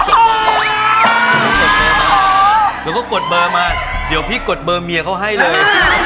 กดเบอร์มาแล้วก็กดเบอร์มาเดี๋ยวพี่กดเบอร์เมียเขาให้เลย